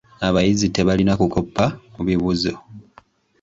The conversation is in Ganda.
Abayizi tebalina kukoppa mu bibuuzo.